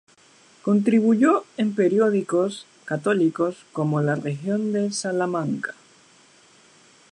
Contribuyó en periódicos católicos como "La Región" de Salamanca.